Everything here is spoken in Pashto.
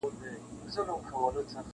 پردی ولات د مړو قدر کموینه-